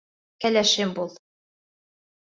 Кәләшем бул!